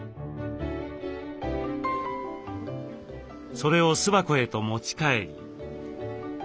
それを巣箱へと持ち帰り。